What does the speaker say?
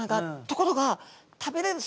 ところが食べれる